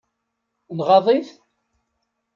Nɣaḍ-it?